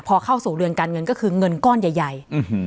พอเข้าสู่เรือนการเงินก็คือเงินก้อนใหญ่